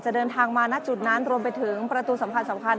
เมื่อเวลาอันดับสุดท้ายเมื่อเวลาอันดับสุดท้าย